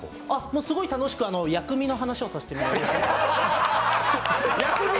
もうすごい楽しく、薬味の話をさせてもらいました。